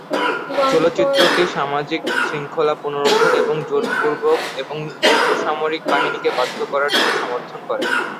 চলচ্চিত্রটি সামাজিক শৃঙ্খলা পুনরুদ্ধার এবং জোরপূর্বক এবং যুব সামরিক বাহিনীকে বাধ্য করার জন্য সমর্থন করে।